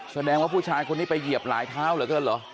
แสดงว่าผู้ชายคนนี้ไปเหยียบหลายเท้าเหลือเกินเหรอ